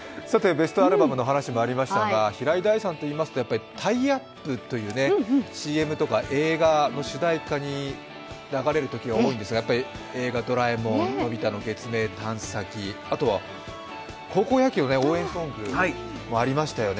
ベストアルバムの話もありましたが、平井大さんといいますとやっぱりタイアップというＣＭとか映画の主題歌に流れるときが多いんですが、高校野球の応援ソングもありましたよね。